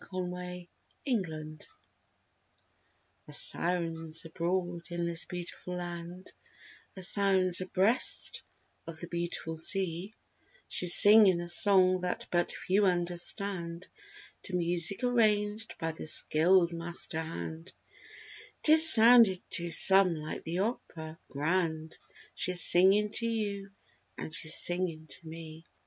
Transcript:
THE SIREN SONG A Siren's abroad in this beautiful land; A Siren's abreast of the beautiful sea; She's singing a song that but few understand, To music arranged by the skilled master hand; 'Tis sounding to some like the opera, Grand— She's singing to you and she's singing to me.